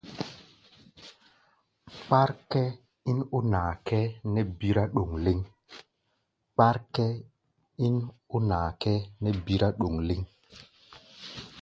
Kpár kʼɛ́ɛ́ ín ó naa kʼɛ́ɛ́ nɛ́ bírá ɗoŋ lɛ́ŋ.